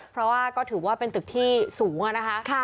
เพราะว่าก็ถือว่าเป็นตึกที่สูง